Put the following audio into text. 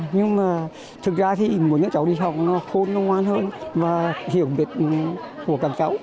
nhưng mà thực ra thì muốn như cháu đi học nó khôn ngoan hơn và hiểu biết của các cháu